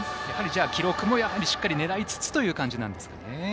じゃあ記録もしっかり狙いつつという感じなんですね。